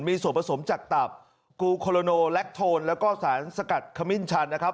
มีส่วนผสมจากตับกูโคโลโนแลคโทนแล้วก็สารสกัดขมิ้นชันนะครับ